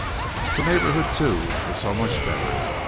The neighborhood, too, was so much better.